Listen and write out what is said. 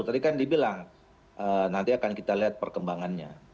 tadi kan dibilang nanti akan kita lihat perkembangannya